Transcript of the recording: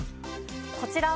こちらは。